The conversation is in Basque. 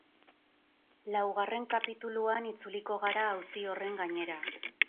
Laugarren kapituluan itzuliko gara auzi horren gainera.